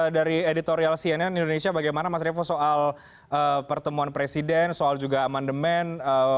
dari editorial cnn indonesia bagaimana mas revo soal pertemuan presiden soal juga amandemen